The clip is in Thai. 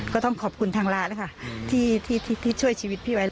ก็ต้องขอบคุณทางร้านนะคะที่ช่วยชีวิตพี่ไว้